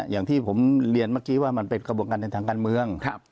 อย่างที่ผมเรียนเมื่อกี้ว่ามันเป็นกระบวนการเดินทางการเมือง